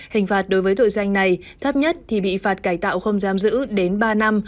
hình phạt đối với tội danh này thấp nhất thì bị phạt cải tạo không giam giữ đến ba năm